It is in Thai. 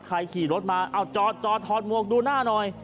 ใครขี่รถมาอ้าวจอดจอดถอดมวกดูหน้าหน่อย